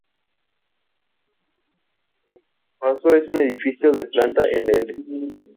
El pazo es un edificio de planta en "L".